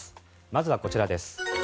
まずはこちらです。